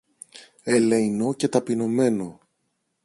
ελεεινό και ταπεινωμένο.